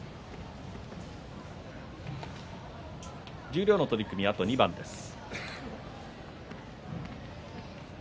十両の取組は、あと２番です。